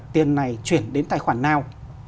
tiền này chuyển đến tài khoản nào